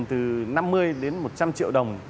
từ năm mươi một trăm linh triệu đồng